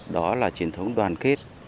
đó là truyền thống đoàn kết